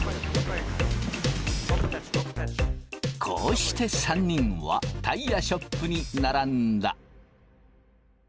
こうして３人はタイヤショップに並んだ。